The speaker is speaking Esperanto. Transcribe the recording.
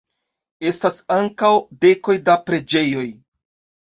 Estas ankaŭ dekoj da preĝejoj.